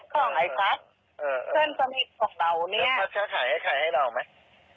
ข้องไอ้ครับเอ่อเพื่อนสนิทของเราเนี้ยมันจะขายให้ขายให้เราไหม